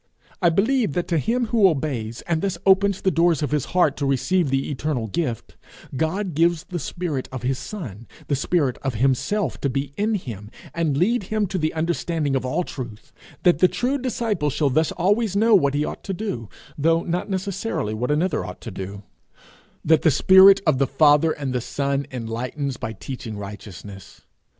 I believe that to him who obeys, and thus opens the doors of his heart to receive the eternal gift, God gives the spirit of his son, the spirit of himself, to be in him, and lead him to the understanding of all truth; that the true disciple shall thus always know what he ought to do, though not necessarily what another ought to do; that the spirit of the father and the son enlightens by teaching righteousness.